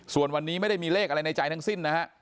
ส่วนวันนี้ไม่ได้มีเลขอะไรในใจทั้งสิ้นนะฮะ